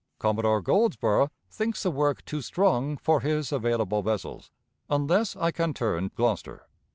Commodore Goldsborough thinks the work too strong for his available vessels, unless I can turn Gloucester."